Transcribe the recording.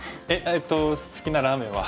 えっと好きなラーメンは？